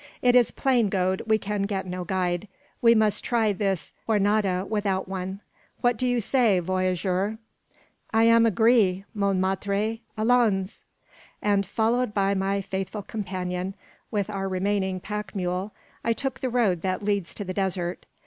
"It is plain, Gode, we can get no guide. We must try this Jornada without one. What say you, voyageur?" "I am agree, mon maitre; allons!" And, followed by my faithful compagnon, with our remaining pack mule, I took the road that leads to the desert.